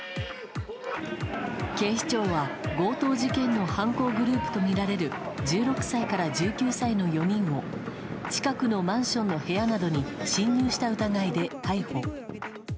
警視庁は強盗事件の犯行グループとみられる１６歳から１９歳の４人を近くのマンションの部屋などに侵入した疑いで逮捕。